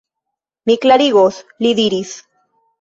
Mi klarigos, li diris.